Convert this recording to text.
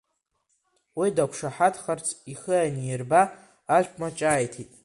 Уи дақәшаҳаҭхарц ихы аниирба, аԥшәма ҿааиҭит…